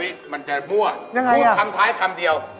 พูดคำท้ายคำเดียว